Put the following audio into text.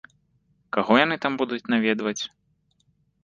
Каго яны там будуць наведваць?